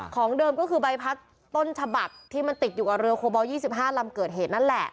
ของเดิมก็คือใบพัดต้นฉบับที่มันติดอยู่กับเรือโคบอล๒๕ลำเกิดเหตุนั่นแหละ